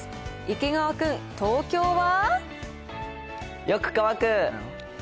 池川君、東京は？